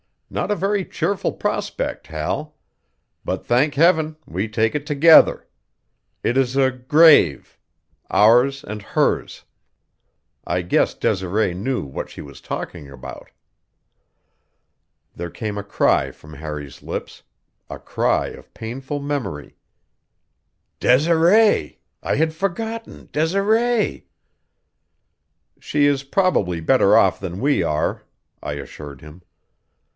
Not a very cheerful prospect, Hal; but, thank Heaven, we take it together! It is a grave ours and hers. I guess Desiree knew what she was talking about." There came a cry from Harry's lips a cry of painful memory: "Desiree! I had forgotten, Desiree!" "She is probably better off than we are," I assured him.